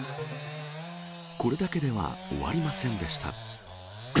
これだけでは終わりませんでした。